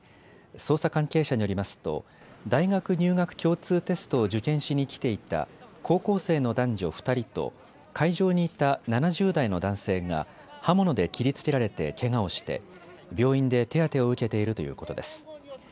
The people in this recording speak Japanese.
捜査関係者によりますと大学入学共通テストを受験しに来ていた高校生の男女２人と会場にいた７０代の男性が刃物で切りつけられて、けがをして病院で手当てを受けているということです。